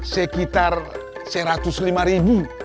sekitar seratus lima ribu